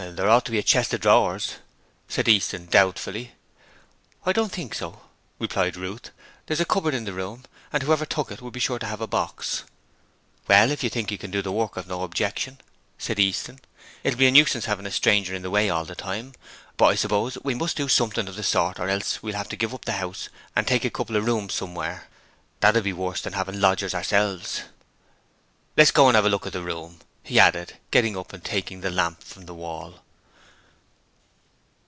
'There ought to be a chest of drawers,' said Easton doubtfully. 'I don't think so,' replied Ruth. 'There's a cupboard in the room and whoever took it would be sure to have a box.' 'Well, if you think you can do the work I've no objection,' said Easton. 'It'll be a nuisance having a stranger in the way all the time, but I suppose we must do something of the sort or else we'll have to give up the house and take a couple of rooms somewhere. That would be worse than having lodgers ourselves. 'Let's go and have a look at the room,' he added, getting up and taking the lamp from the wall.